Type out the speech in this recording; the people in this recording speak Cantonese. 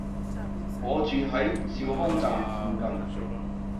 我住喺兆康站附近